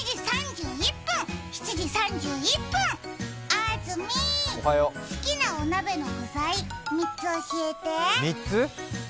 安住、好きなお鍋の具材、３つ教えて。